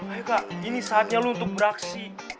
ayo kak ini saatnya lu untuk beraksi